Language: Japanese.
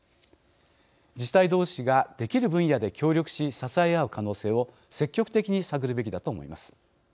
自治体どうしができる分野で協力し、支え合う可能性を積極的に探るべきだと思います。